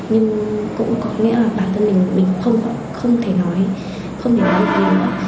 nhưng cũng có nghĩa là bản thân mình không thể nói gì